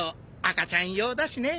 赤ちゃん用だしね。